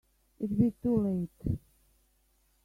It'd be too late.